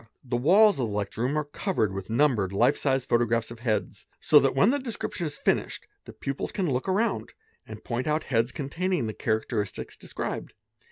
The walls of the lecture room are covered with numbered life size Photographs of heads, so that when the description is finished the pupils in look around and point out heads containing the characteristics des | 'bed.